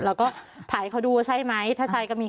แล้วก็ถ่ายเขาดูว่าใช่ไหมถ้าใช้ก็มีแค่ชุดเดียว